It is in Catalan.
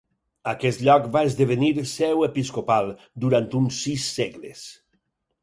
Aquest lloc va esdevenir seu episcopal durant uns sis segles.